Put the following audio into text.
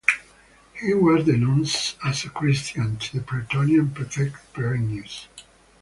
He was denounced as a Christian to the Pretorian Prefect Perennius.